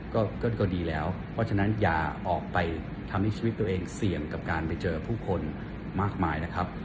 ก็ดีแล้วเพราะฉะนั้นอย่าออกไปทำให้ชีวิตตัวเองเสี่ยงกับการไปเจอผู้คนมากมายนะครับ